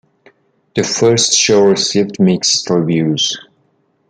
The first show received mixed reviews.